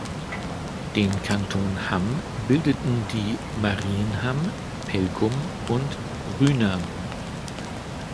Den Kanton Hamm bildeten die Mairien Hamm, Pelkum und Rhynern.